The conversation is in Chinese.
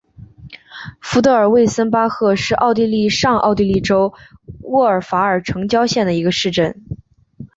福德尔魏森巴赫是奥地利上奥地利州乌尔法尔城郊县的一个市镇。